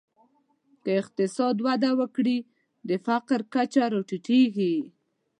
که اقتصاد وده وکړي، د فقر کچه راټیټېږي.